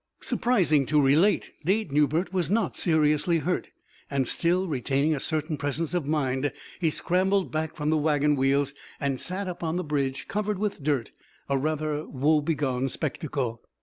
Surprising to relate, Dade Newbert was not seriously hurt, and, still retaining a certain presence of mind, he scrambled back from the wagon wheels and sat up on the bridge, covered with dirt, a rather woe begone spectacle.